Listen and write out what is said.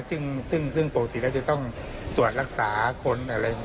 ซึ่งปกติเราจะต้องสวดรักษาคน